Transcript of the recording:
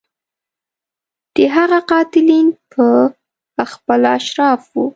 د هغه قاتلین په خپله اشراف وو.